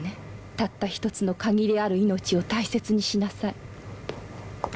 たった１つの限りある命を大切にしなさい。